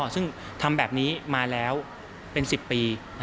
ซึ่งทำแบบนี้มาแล้วเป็น๑๐ปี